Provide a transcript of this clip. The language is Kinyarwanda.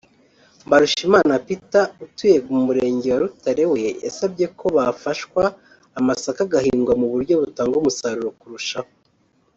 Mbarushimana Peter utuye mu Murenge wa Rutare we yasabye ko bafashwa amasaka agahingwa mu buryo butanga umusaruro kurushaho